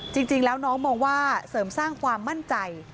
จริงแล้วน้องมองว่าเสริมสร้างความมั่นใจ